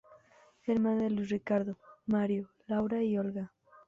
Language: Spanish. Hermana de Luis Ricardo, Mario, Laura y Olga.